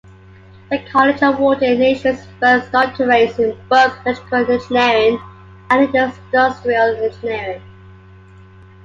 The college awarded the nation's first doctorates in both electrical engineering and industrial engineering.